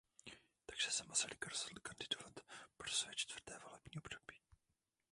Takže se Masaryk rozhodl kandidovat pro své čtvrté volební období.